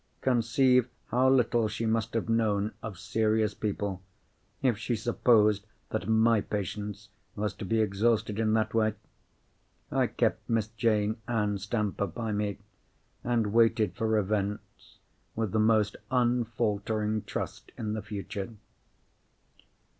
Conceive how little she must have known of serious people, if she supposed that my patience was to be exhausted in that way! I kept Miss Jane Ann Stamper by me, and waited for events with the most unfaltering trust in the future.